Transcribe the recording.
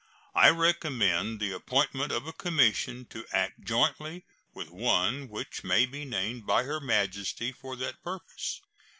I recommend the appointment of a commission to act jointly with one which may be named by Her Majesty for that purpose.